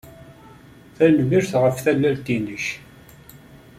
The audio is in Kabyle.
Tanemmirt ɣef tallalt-nnek.